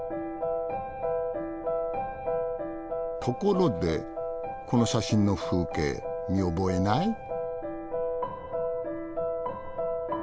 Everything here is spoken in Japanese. ところでこの写真の風景見覚えない？